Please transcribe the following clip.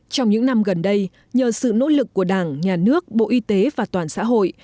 trong những năm gần đây nhờ sự nỗ lực của đảng nhà nước bộ y tế và toàn xã hội